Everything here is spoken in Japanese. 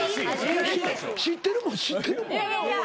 知ってるもん知ってるもん。